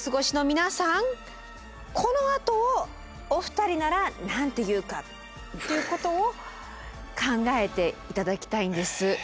このあとをお二人なら何て言うかっていうことを考えて頂きたいんです。